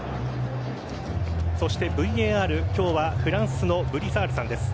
ＶＡＲ、今日はフランスのブリサールさんです。